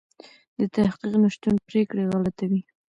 د تحقیق نشتون پرېکړې غلطوي.